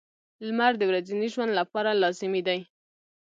• لمر د ورځني ژوند لپاره لازمي دی.